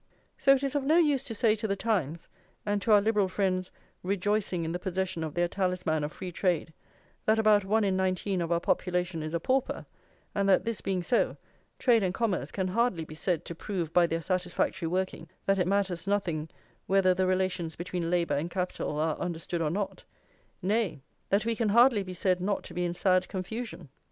So it is of no use to say to The Times, and to our Liberal friends rejoicing in the possession of their talisman of free trade, that about one in nineteen of our population is a pauper, and that, this being so, trade and commerce can hardly be said to prove by their satisfactory working that it matters nothing whether the relations between labour and capital are understood or not; nay, that we can hardly be said not to be in sad confusion.